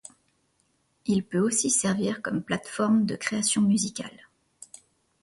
Il peut aussi servir comme plateforme de création musicale.